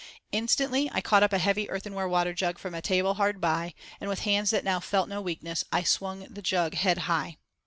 Instantly I caught up a heavy earthenware water jug from a table hard by, and with hands that now felt no weakness I swung the jug head high.